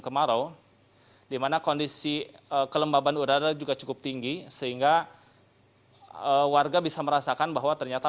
kemarau dimana kondisi kelembaban udara juga cukup tinggi sehingga warga bisa merasakan bahwa ternyata